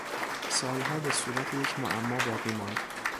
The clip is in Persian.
سالها به صورت یک معما باقی ماند.